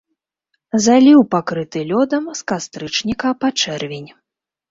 Заліў пакрыты лёдам з кастрычніка па чэрвень.